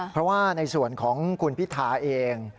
เพราะว่าในส่วนของคุณพิธาเอง